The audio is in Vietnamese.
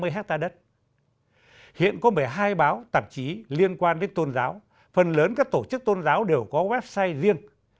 tám trăm năm mươi ha đất hiện có một mươi hai báo tạp chí liên quan đến tôn giáo phần lớn các tổ chức tôn giáo đều có website riêng